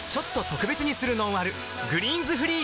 「グリーンズフリー」